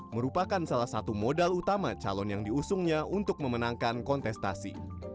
merupakan salah satu modal utama calon yang diusungnya untuk memenangkan kontestasi